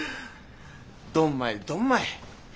ドンマイドンマイ。